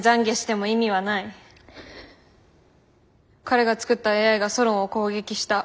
彼が作ったＡＩがソロンを攻撃した。